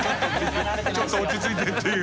ちょっと落ち着いてっていう。